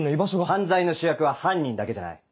犯罪の主役は犯人だけじゃない。